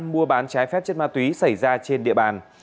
mua bán trái phép chất ma túy xảy ra trên địa bàn